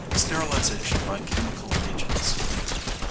#Sterilisation by Chemical Agents.